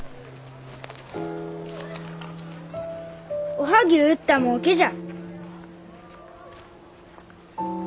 おはぎゅう売ったもうけじゃ。